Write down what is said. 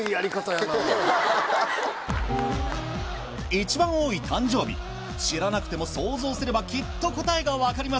一番多い誕生日知らなくてもソウゾウすればきっと答えが分かります